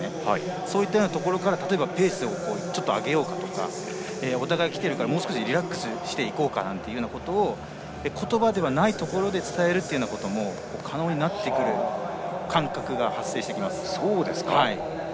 そういったようなところから例えば、ペースを上げようかとかお互い力んでいるからもう少しリラックスしようかとか言葉ではないところで伝えるというのも可能になってくる感覚が発生してきます。